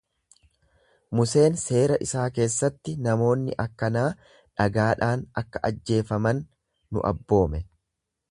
Museen seera isaa keessatti namoonni akkanaa dhagaadhaan akka ajjeefaman nu abboome.